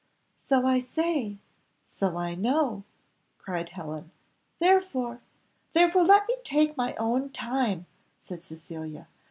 "So I say so I know," cried Helen; "therefore " "Therefore let me take my own time," said Cecilia.